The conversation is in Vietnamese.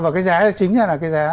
và cái giá chính ra là cái giá